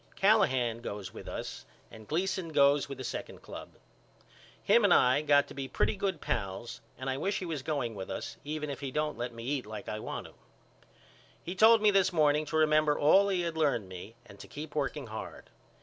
Callahan goes with us and Gleason goes with the second club. Him and I have got to be pretty good pals and I wish he was going with us even if he don't let me eat like I want to. He told me this morning to remember all he had learned me and to keep working hard.